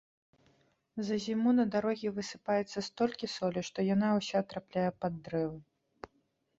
За зіму на дарогі высыпаецца столькі солі, што яна ўся трапляе пад дрэвы.